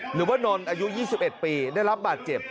นนท์อายุ๒๑ปีได้รับบาดเจ็บ